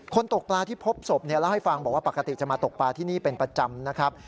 ตกปลาที่พบศพเนี่ยเล่าให้ฟังบอกว่าปกติจะมาตกปลาที่นี่เป็นประจำนะครับ